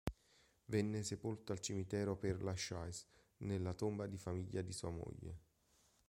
Venne sepolto al cimitero Père Lachaise nella tomba di famiglia di sua moglie.